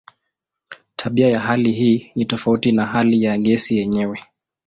Tabia ya hali hii ni tofauti na hali ya gesi yenyewe.